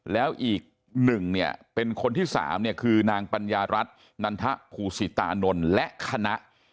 แล้วอีกหนึ่งเป็นคนที่๓คือนางปรารัฐนันทะภูสิตานนลและคณะ